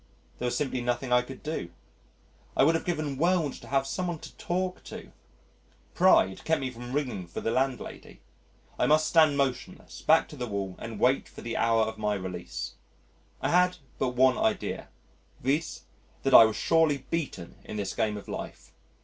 There was simply nothing I could do. I would have given worlds to have some one to talk to. Pride kept me from ringing for the landlady. I must stand motionless, back to the wall, and wait for the hour of my release. I had but one idea, viz., that I was surely beaten in this game of life.